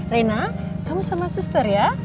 rena kamu sama suster ya